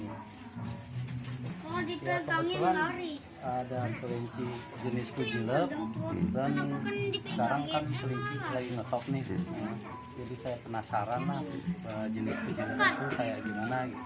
ternak kelinci jenis fuzilop sekarang kan kelinci lagi ngetok nih jadi saya penasaran jenis fuzilop itu kayak gimana